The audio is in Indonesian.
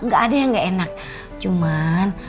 gak ada yang gak enak cuman